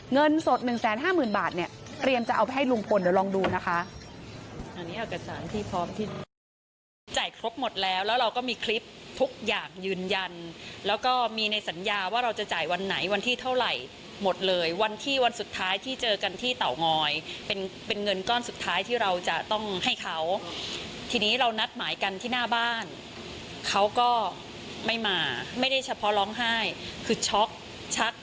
เงินสด๑๕๐๐๐บาทเนี่ยเตรียมจะเอาไปให้ลุงพลเดี๋ยวลองดูนะคะ